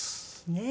ねえ。